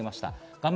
画面